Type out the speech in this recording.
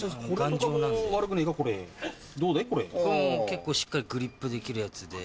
結構しっかりグリップできるやつで。